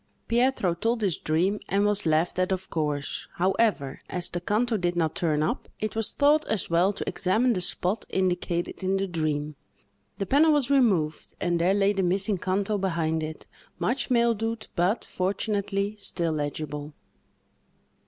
Pietro told his dream, and was laughed at, of course; however, as the canto did not turn up, it was thought as well to examine the spot indicated in the dream. The panel was removed, and there lay the missing canto behind it; much mildewed, but, fortunately, still legible.